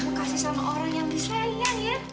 mau kasih sama orang yang disayang ya